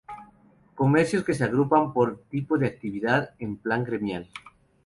Comercios que se agrupan por tipo de actividad, en plan gremial.